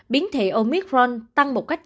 biến thể omicron tăng một cách